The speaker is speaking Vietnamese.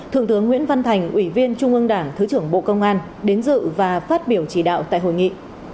thượng tướng nguyễn văn thành ủy viên trung ương đảng thứ trưởng bộ công an đến dự và phát biểu chỉ đạo tại hội nghị